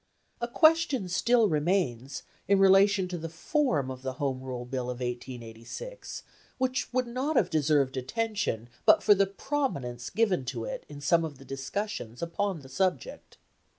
A question still remains, in relation to the form of the Home Rule Bill of 1886, which would not have deserved attention but for the prominence given to it in some of the discussions upon the subject.